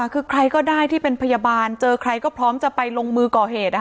คือใครก็ได้ที่เป็นพยาบาลเจอใครก็พร้อมจะไปลงมือก่อเหตุ